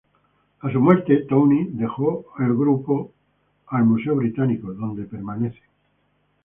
A su muerte, Towne dejó el grupo al Museo Británico, donde permanecen.